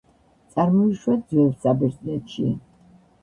წარმოიშვა ძველ საბერძნეთში.